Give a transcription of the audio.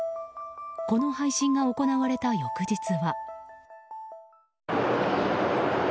この配信が行われた翌日は。